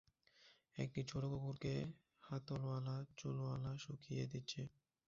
একটি ছোট কুকুরকে হাতলওয়ালা চুলওয়ালা শুকিয়ে দিচ্ছে।